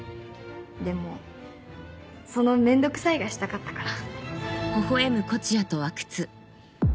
でもその「面倒くさい」がしたかったから。